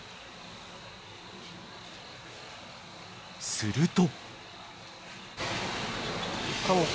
［すると］